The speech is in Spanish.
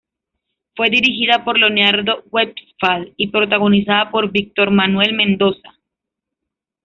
Fue dirigida por Leonardo Westphal y protagonizada por Víctor Manuel Mendoza.